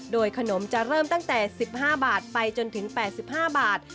โดยขนมจะเริ่มตั้งแต่๑๕บาทไปจนถึง๘๕บาท